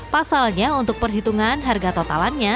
pasalnya untuk perhitungan harga totalannya